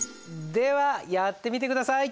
ではやってみて下さい！